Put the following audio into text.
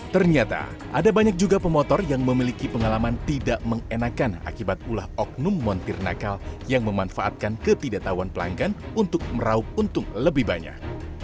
ternyata ada banyak juga pemotor yang memiliki pengalaman tidak mengenakan akibat ulah oknum montir nakal yang memanfaatkan ketidaktahuan pelanggan untuk meraup untung lebih banyak